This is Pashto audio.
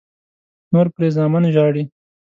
نور پرې زامن ژاړي.